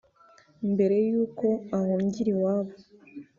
Mbere y’uko ahungira iwabo